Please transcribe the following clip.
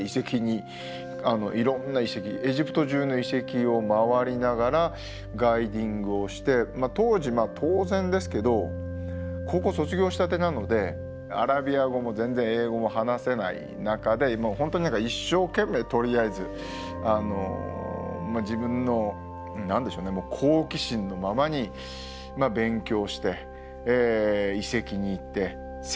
エジプト中の遺跡を回りながらガイディングをして当時当然ですけど高校卒業したてなのでアラビア語も全然英語も話せない中で本当に一生懸命とりあえず自分の好奇心のままに勉強して遺跡に行って説明して。